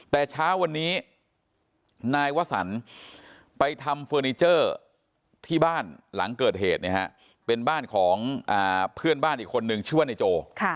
แต่เช้าวันนี้นายวสันไปทำเฟอร์นิเจอร์ที่บ้านหลังเกิดเหตุเป็นบ้านของเพื่อนบ้านอีกคนนึงชื่อว่านายโจ